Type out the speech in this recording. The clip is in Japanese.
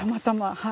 はい。